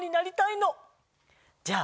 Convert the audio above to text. じゃあ。